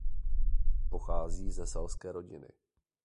Pochází se selské rodiny.